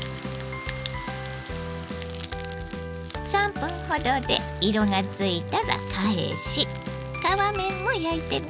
３分ほどで色がついたら返し皮面も焼いてね。